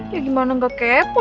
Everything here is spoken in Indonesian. ya gimana enggak kepo